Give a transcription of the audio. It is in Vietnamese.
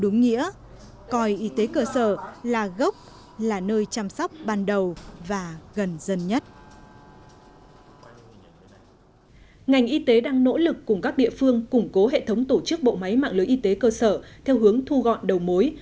ngành y tế đang nỗ lực cùng các địa phương củng cố hệ thống tổ chức bộ máy mạng lưới y tế cơ sở theo hướng thu gọn đầu mối